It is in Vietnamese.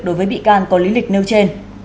đối với bị can có lý lịch nêu trên